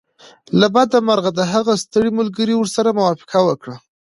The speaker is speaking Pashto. له بده مرغه د هغه ستړي ملګري ورسره موافقه وکړه